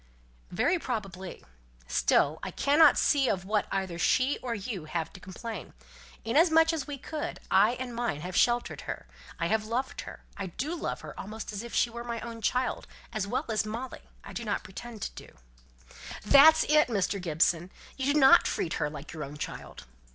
"Very probably. Still I cannot see of what either she or you have to complain. Inasmuch as we could, I and mine have sheltered her! I have loved her; I do love her almost as if she were my own child as well as Molly, I do not pretend to do." "That's it, Mr. Gibson! you do not treat her like your own child."